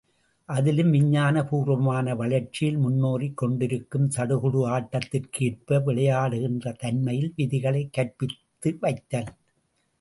அதிலும் விஞ்ஞான பூர்வமான வளர்ச்சியில் முன்னேறிக் கொண்டிருக்கும் சடுகுடு ஆட்டத்திற்கு ஏற்ப, விளையாடுகின்ற தன்மையில் விதிகளைக் கற்பித்து வைத்தல்.